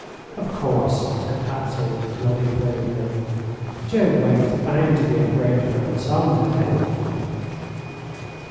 "Of course," said Patsy, nodding gravely; "Joe Wegg is bound to be a great man, some day."